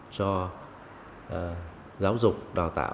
cho giáo dục đào tạo